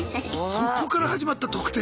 そこから始まった「特定」？